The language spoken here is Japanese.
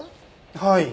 はい。